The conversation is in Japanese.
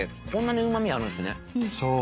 そう！